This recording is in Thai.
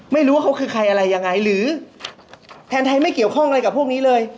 ไม่รู้ว่าเขาคือใครอะไรยังไงหรือแทนไทยไม่เกี่ยวข้องอะไรกับพวกนี้เลย